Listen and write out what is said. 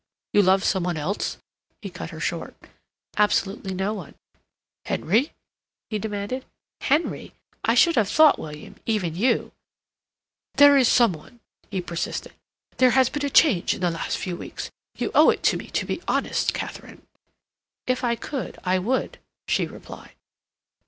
"You love some one else?" he cut her short. "Absolutely no one." "Henry?" he demanded. "Henry? I should have thought, William, even you—" "There is some one," he persisted. "There has been a change in the last few weeks. You owe it to me to be honest, Katharine." "If I could, I would," she replied.